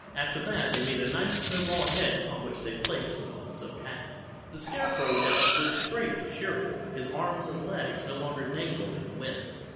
After that they made a nice snowball head on which they placed the old silk hat. The Scarecrow now stood straight and cheerful. His arms and legs no longer dangled in the wind.